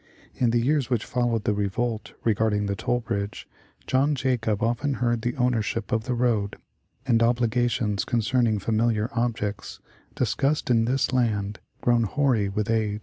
In the years which fol lowed the revolt regarding the toll bridge, John Jacob often heard the ownership of the road, and obligations concerning familiar objects, discussed in this land grown hoary with age.